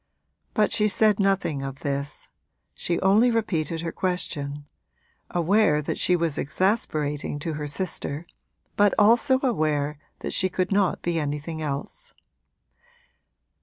But she said nothing of this she only repeated her question: aware that she was exasperating to her sister but also aware that she could not be anything else.